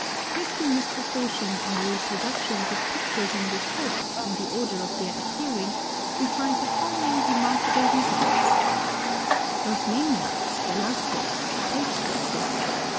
] Testing this proportion on the reproductions of pictures in this book in the order of their appearing, we find the following remarkable results: "Los Meninas," Velazquez, page 60 [Transcribers Note: Plate IX].